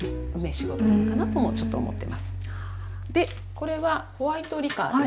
これはホワイトリカーです。